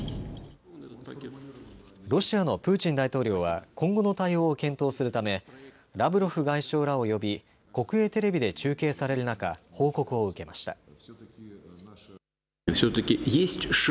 ロシアのプーチン大統領は今後の対応を検討するためラブロフ外相らを呼び国営テレビで中継される中、報告を受けました。